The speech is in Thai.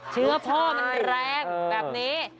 พ่อมันแรงแบบนี้